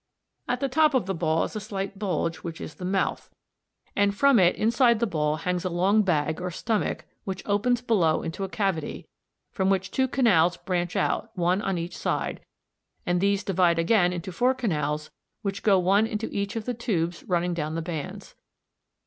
At the top of the ball is a slight bulge which is the mouth (m 2, Fig. 71), and from it, inside the ball, hangs a long bag or stomach, which opens below into a cavity c, from which two canals branch out, one on each side, and these divide again into four canals which go one into each of the tubes running down the bands.